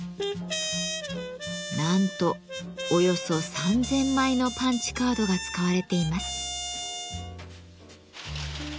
なんとおよそ３，０００枚のパンチカードが使われています。